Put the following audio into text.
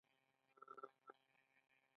آیا تاسو باور لرئ؟